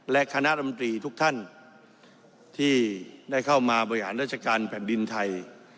และคณะรำตรีทุกท่านที่ได้เข้ามาบริหารราชการแผ่นดินไทย